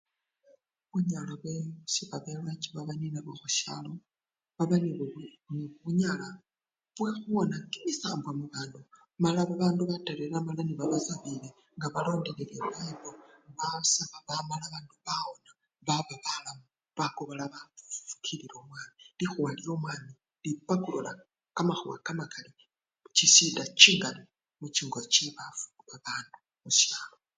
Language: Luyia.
Bunyala bwesi babelwachi baba nenabwo khushalo baba ne nebunyala bwekhuwona kimisambwa mu bandu mala babandu baterera mala nebabasabile nga balondelela ebayibo basaba bamala bandu bawona baba balamu bakobola bafukila mbo likhuwa lyomwami lipakulula kamakhuwa kamakali, chishida chingali muchingo chinafu babandu mushalo.